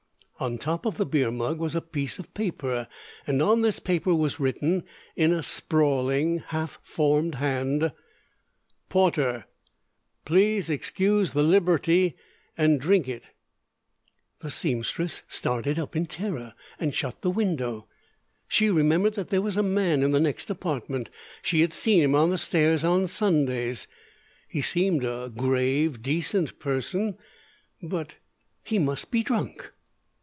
On top of the beer mug was a piece of paper, and on this paper was written, in a sprawling, half formed hand: porter pleas excuse the libberty And drink it The seamstress started up in terror and shut the window. She remembered that there was a man in the next apartment. She had seen him on the stairs on Sundays. He seemed a grave, decent person; but he must be drunk.